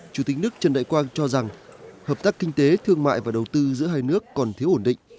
chủ tịch nước trần đại quang cho rằng hợp tác kinh tế thương mại và đầu tư giữa hai nước còn thiếu ổn định